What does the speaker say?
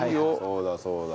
そうだそうだ。